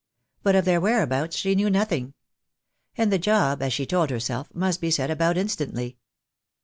But of their whereabouts she knew nothing. And the job, as she told herself, must be set about instantly.